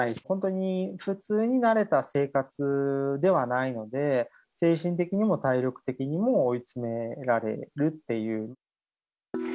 本当に、普通に慣れた生活ではないので、精神的にも体力的にも追い詰められるっていう。